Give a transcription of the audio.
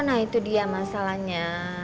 nah itu dia masalahnya